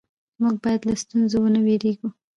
موږ باید له ستونزو ونه وېرېږو